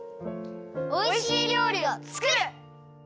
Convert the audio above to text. おいしいりょうりをつくる！